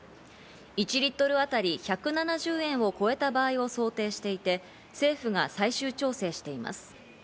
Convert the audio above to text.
１リットルあたり１７０円を超えた場合を想定していて、政府が最終調整しています。